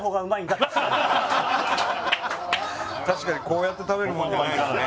確かにこうやって食べるもんじゃないですね。